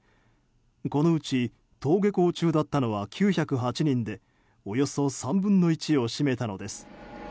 このうち登下校中だったのは９０８人でおよそ３分の１を占めたのです。